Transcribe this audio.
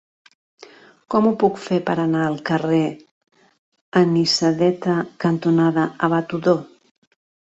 Com ho puc fer per anar al carrer Anisadeta cantonada Abat Odó?